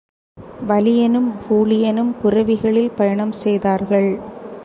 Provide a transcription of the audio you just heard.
வலியனும் பூழியனும் புரவிகளில் பயணம் செய்தார்கள்.